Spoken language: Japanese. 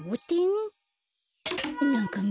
ん？